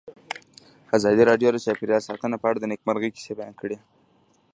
ازادي راډیو د چاپیریال ساتنه په اړه د نېکمرغۍ کیسې بیان کړې.